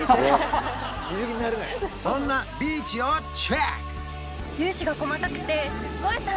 そんなビーチをチェック！